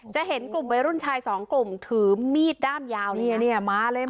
จะเห็นกลุ่มวัยรุ่นชายสองกลุ่มถือมีดด้ามยาวเนี่ยมาเลย